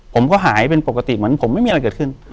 ผมก็หายเป็นปกติเหมือนผมไม่มีอะไรเกิดขึ้น